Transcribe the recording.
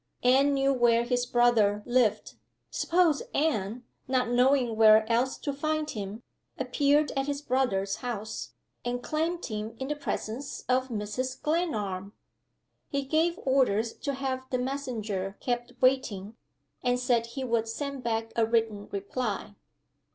Anne knew where his brother lived. Suppose Anne (not knowing where else to find him) appeared at his brother's house, and claimed him in the presence of Mrs. Glenarm? He gave orders to have the messenger kept waiting, and said he would send back a written reply.